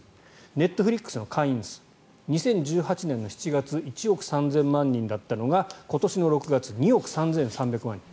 ネットフリックスの会員数２０１８年の７月１億３０００万人だったのが今年の６月、２億３３００万人。